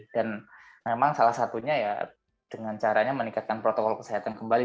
dan memang salah satunya dengan caranya meningkatkan protokol kesehatan kembali